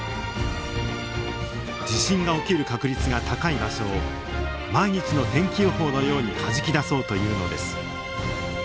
地震が起きる確率が高い場所を毎日の天気予報のようにはじき出そうというのです。